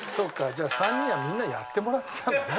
じゃあ３人はみんなやってもらってたんだね。